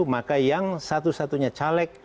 maka yang satu satunya caleg